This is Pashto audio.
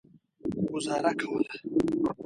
ګوزاره کوله.